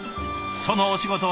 そのお仕事は。